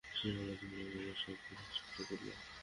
সে আমার জীবন আর আমার স্বপ্ন ধ্বংস করে দিল!